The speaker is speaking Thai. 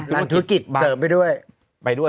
ลันธุรกิจเสริมไปด้วย